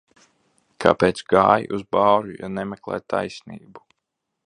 Kāpēc gāji uz bāru, ja nemeklē taisnību?